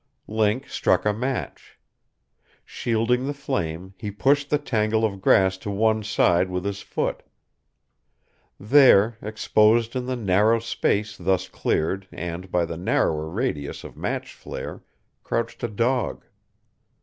Link struck a match. Shielding the flame, he pushed the tangle of grass to one side with his foot. There, exposed in the narrow space thus cleared and by the narrower radius of match flare, crouched a dog.